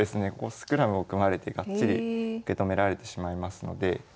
スクラムを組まれてがっちり受け止められてしまいますので。